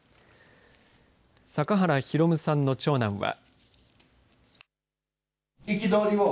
阪原弘さんの長男は。